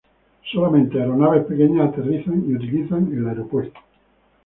Solamente aeronaves pequeñas aterrizan y utilizan el aeropuerto.